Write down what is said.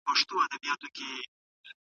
آیا صلیبي جنګونه په دې دوره کي پېښ سول؟